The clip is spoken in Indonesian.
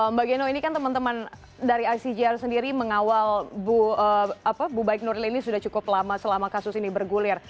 mbak geno ini kan teman teman dari icjr sendiri mengawal bu baik nuril ini sudah cukup lama selama kasus ini bergulir